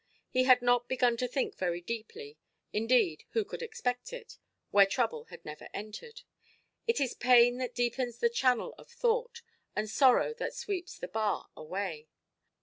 He had not begun to think very deeply; indeed, who could expect it, where trouble had never entered? It is pain that deepens the channel of thought, and sorrow that sweeps the bar away.